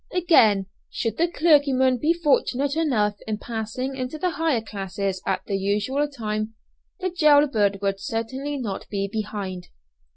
Again, should the clergyman be fortunate enough in passing into the higher classes at the usual time, the jail bird would certainly not be behind.